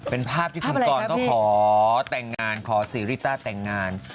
เป็นภาพที่คุณกรก็ขอแต่งงานขอซีรีต้าแต่งงาน